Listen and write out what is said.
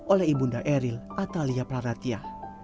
oleh ibunda eril atalia praratia